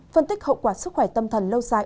phân tích hậu quả sức khỏe tâm thần lâu dài